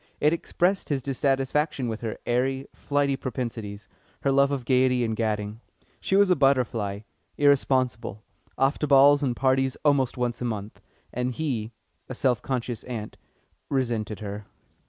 It expressed his dissatisfaction with her airy, flighty propensities, her love of gaiety and gadding. She was a butterfly, irresponsible, off to balls and parties almost once a month, and he, a self conscious ant, resented her.